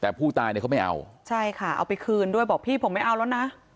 แต่ผู้ตายเนี่ยเขาไม่เอาใช่ค่ะเอาไปคืนด้วยบอกพี่ผมไม่เอาแล้วนะ